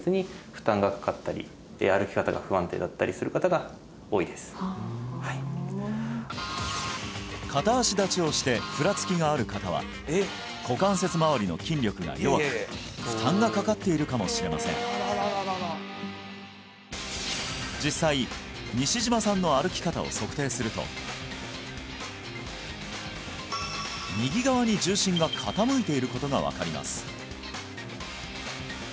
はい下ろしますそれで片足立ちをしてふらつきがある方は股関節まわりの筋力が弱く負担がかかっているかもしれません実際西島さんの歩き方を測定すると右側に重心が傾いていることが分かります